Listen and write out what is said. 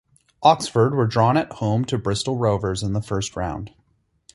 Oxford were drawn at home to Bristol Rovers in the first round.